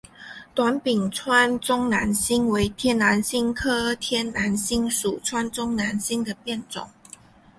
短柄川中南星为天南星科天南星属川中南星的变种。